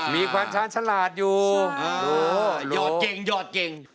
มีความชาญฉลาดอยู่รู้รู้ยอดเก่ง